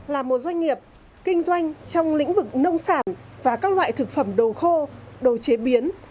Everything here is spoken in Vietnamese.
là một doanh nghiệp kinh doanh trong lĩnh vực nông sản và các loại thực phẩm đồ khô đồ chế biến